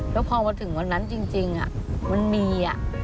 แล้วพอมาถึงวันนั้นจริงมันมี